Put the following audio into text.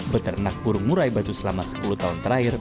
beternak burung murai batu selama sepuluh tahun terakhir